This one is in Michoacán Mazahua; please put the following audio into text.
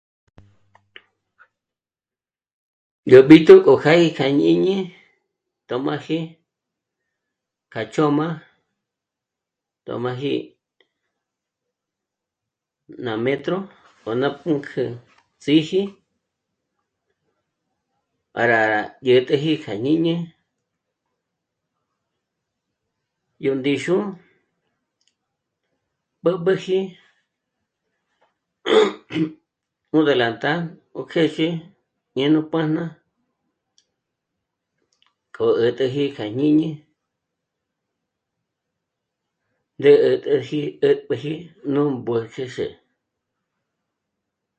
Yó bíjtu k'o jâ'a kja jñíni tö̌m'aji k'a ch'ö̌m'a tö̌m'aji ná metro o ná pǔnk'ü ts'íji para dyä̀t'äji kja jñíni yó ndíxu b'ǚb'üji un delantal ó kjèzhe ñe'e nú pájna k'o 'ä̀t'äji kja jñíni rí 'ä̀t'äji 'ä̀tpjüji nú mbü'pjüxîxe